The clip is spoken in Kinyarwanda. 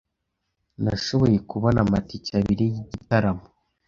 Nashoboye kubona amatike abiri yigitaramo.